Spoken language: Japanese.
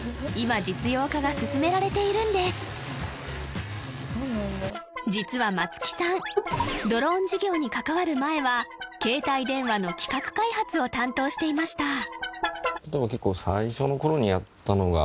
今実用化が進められているんです実は松木さんドローン事業に関わる前は携帯電話の企画開発を担当していました